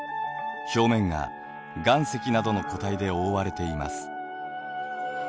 表面が岩石などの固体で覆われています。